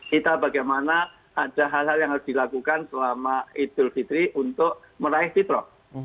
kita bagaimana ada hal hal yang harus dilakukan selama idul fitri untuk meraih fitrah